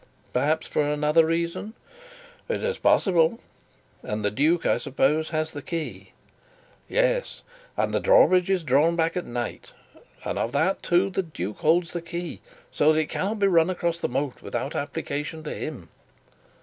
"Perhaps for another reason?" "It is possible." "And the duke, I suppose, has the key?" "Yes. And the drawbridge is drawn back at night, and of that, too, the duke holds the key, so that it cannot be run across the moat without application to him."